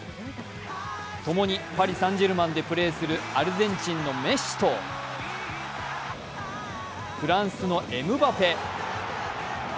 ともにパリ・サン＝ジェルマンでプレーするアルゼンチンのメッシとフランスのエムバペ。